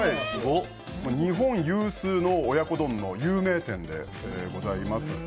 日本有数の親子丼の有名店でございます。